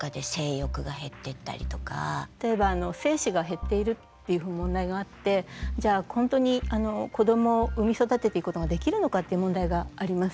例えば精子が減っているっていう問題があってじゃあ本当に子どもを産み育てていくことができるのかっていう問題があります。